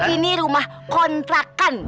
ini rumah kontrakan